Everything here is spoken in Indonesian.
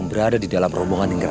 sampai jumpa di video selanjutnya